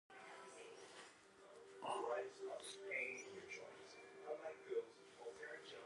Lord Alness sat in judgement.